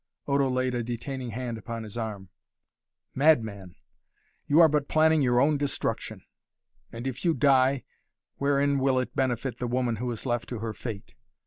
Odo laid a detaining hand upon his arm. "Madman! You are but planning your own destruction. And, if you die, wherein will it benefit the woman who is left to her fate?